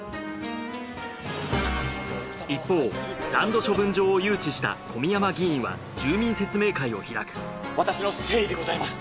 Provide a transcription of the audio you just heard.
一方残土処分場を誘致した小宮山議員は住民説明会を開く私の誠意でございます！